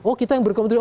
oh kita yang berkomitmen